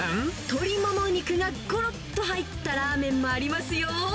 鶏もも肉がごろっと入ったラーメンもありますよ。